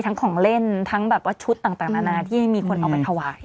ทั้งของเล่นทั้งแบบว่าชุดต่างต่างนานานาที่ไม่มีคนเอาไปทวาย